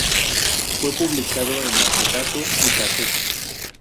Fue publicado en acetato y casete.